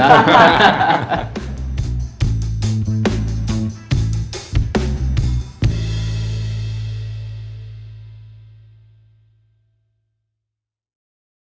สวัสดีครับ